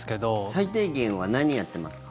最低限は何やってますか？